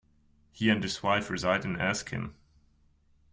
He and his wife reside in Erskine.